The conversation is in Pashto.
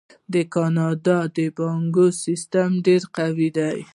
د کاناډا بانکي سیستم ډیر قوي دی.